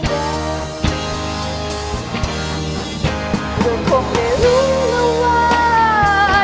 เราคงไม่รู้แล้วว่า